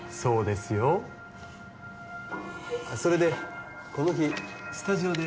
それでこの日スタジオで